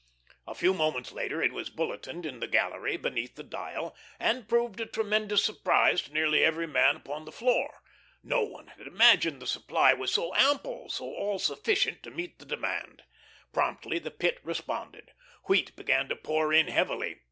A few moments later it was bulletined in the gallery beneath the dial, and proved a tremendous surprise to nearly every man upon the floor. No one had imagined the supply was so ample, so all sufficient to meet the demand. Promptly the Pit responded. Wheat began to pour in heavily.